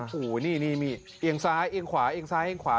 โอ้โหนี่เอียงซ้ายเอียงขวาเอียงซ้ายเอียงขวา